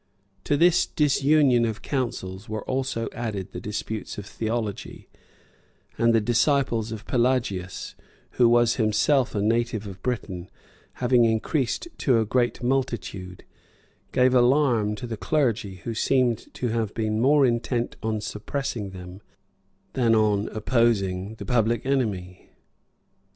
] To this disunion of counsels were also added the disputes of theology; and the disciples of Pelagius, who was himself a native of Britain, having increased to a great multitude, gave alarm to the clergy, who seem to have been more intent on suppressing them, than on opposing the public enemy.